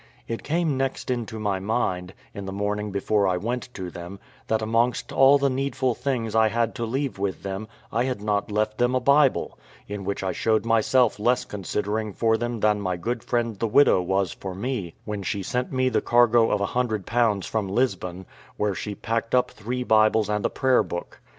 It came next into my mind, in the morning before I went to them, that amongst all the needful things I had to leave with them I had not left them a Bible, in which I showed myself less considering for them than my good friend the widow was for me when she sent me the cargo of a hundred pounds from Lisbon, where she packed up three Bibles and a Prayer book.